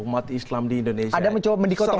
umat islam di indonesia seratus juta lebih pak